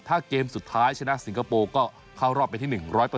ถ้าเกมสุดท้ายชนะสิงคโปร์ก็เข้ารอบไปที่๑๐๐